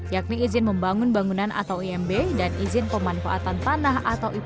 yakni izin membangun bangunan atau imb dan izin pemanah